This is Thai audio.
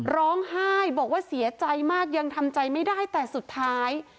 ร้องไห้บอกว่าเสียใจมากยังทำใจไม่ได้แต่สุดท้าย